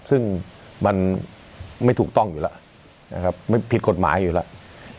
ซึ่งมันไม่ถูกต้องอยู่แล้วนะครับไม่ผิดกฎหมายอยู่แล้ว